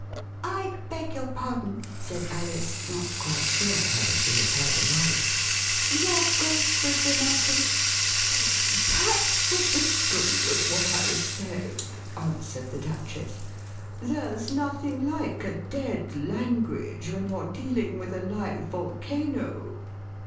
" I beg your pardon," said Alice, not quite sure whether she had heard aright; "your Grace was re marking " Alice at Lambeth Pax vobiscum, was what I said," answered the Duchess; there's nothing like a dead language when youVe dealing with a live volcano."